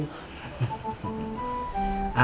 an kalau masalah baju tenangkan